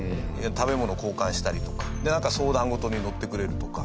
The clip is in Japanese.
食べ物を交換したりとか相談事に乗ってくれるとか。